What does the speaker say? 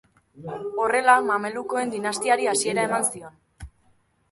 Horrela Mamelukoen dinastiari hasiera eman zion.